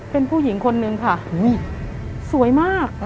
เป็นผู้หญิงคนนึงค่ะสวยมาก